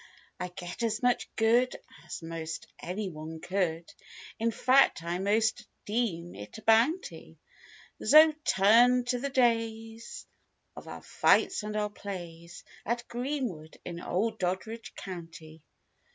134 I get as much good, as most any one could, In fact I most deem it a bounty, Xo turn to the days of our fights and our plays At Greenwood in old Doddridge County.